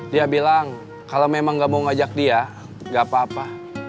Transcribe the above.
dia bilang kalau memang nggak mau ngajak dia gak apa apa